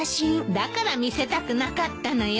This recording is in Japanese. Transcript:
だから見せたくなかったのよ。